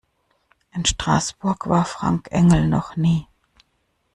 In Straßburg war Frank Engel noch nie.